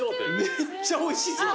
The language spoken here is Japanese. めっちゃおいしそう。